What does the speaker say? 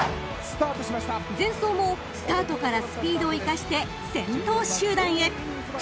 ［前走もスタートからスピードを生かして先頭集団へ］